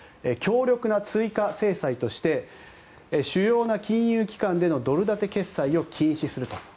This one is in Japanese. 強力な追加制裁として主要な金融機関でのドル建て決済を禁止すると。